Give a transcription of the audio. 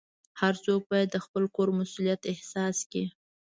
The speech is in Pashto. هر څوک باید د خپل کور مسؤلیت احساس کړي.